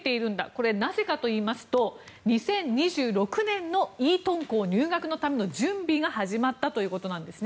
これ、なぜかといいますと２０２６年のイートン校入学のための準備が始まったということです。